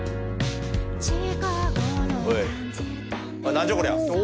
何じゃこりゃ！